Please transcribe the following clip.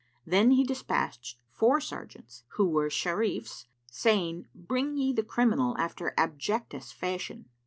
Then he despatched four sergeants, who were Sharífs,[FN#364] saying, "Bring ye the criminal after abjectest fashion."